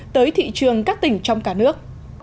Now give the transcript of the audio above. tới thị trường các tỉnh trong cả nước